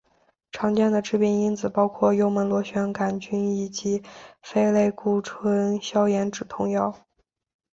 常见的致病因子包括幽门螺旋杆菌以及非类固醇消炎止痛药。